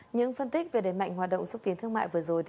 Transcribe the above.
những phân tích về đề mạnh hoạt động xúc tiến thương mại vừa rồi